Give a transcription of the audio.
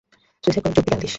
Suicide করার যুক্তি কেন দেস?